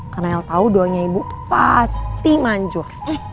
karena el tau doanya ibu pasti manjur